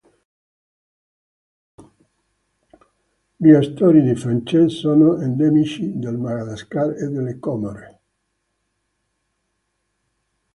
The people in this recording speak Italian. Gli astori di Frances sono endemici del Madagascar e delle Comore.